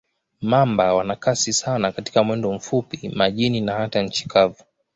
Mamba wana kasi sana katika mwendo mfupi, majini na hata nchi kavu.